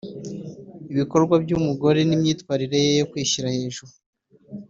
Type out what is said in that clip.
Ibikorwa by’umugore n’imyitwarire ye yo kwishyira hejuru